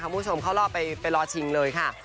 คุณผู้ชมเข้ารอบไปรอชิงเลยค่ะ